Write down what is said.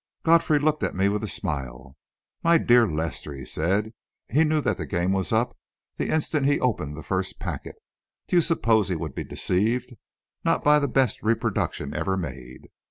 Godfrey looked at me with a smile. "My dear Lester," he said, "he knew that the game was up the instant he opened the first packet. Do you suppose he would be deceived? Not by the best reproduction ever made!"